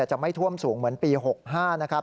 จะไม่ท่วมสูงเหมือนปี๖๕นะครับ